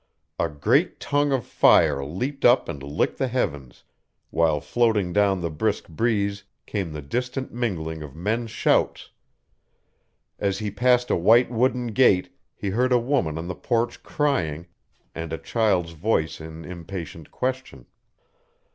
A great tongue of fire leaped up and licked the heavens, while floating down the brisk breeze came the distant mingling of men's shouts. As he passed a white wooden gate he heard a woman on the porch crying, and a child's voice in impatient question.